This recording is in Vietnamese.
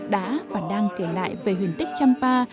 đã và đang kể lại về huyền tích trăm pa